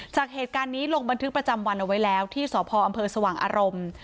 จากเหตุการณ์นี้ลงบันทึกประจำวันเอาไว้แล้วที่สพอำเภอสว่างอารมณ์